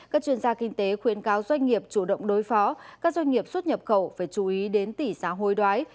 các chuyên gia kinh tế khuyên cáo doanh nghiệp chủ động đối phó các doanh nghiệp xuất nhập khẩu phải chú ý đến tỷ giá hối đoái